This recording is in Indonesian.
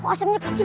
kok asepnya kecil